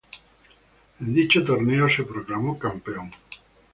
En dicho torneo se proclamó campeón.